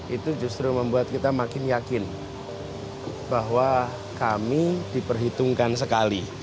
itu justru membuat kita makin yakin bahwa kami diperhitungkan sekali